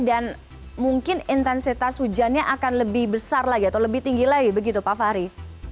dan mungkin intensitas hujannya akan lebih besar lagi atau lebih tinggi lagi begitu pak fahri